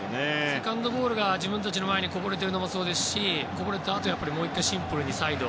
セカンドボールが自分たちの前にこぼれているのもそうですしこぼれたあと、もう１回シンプルにサイド。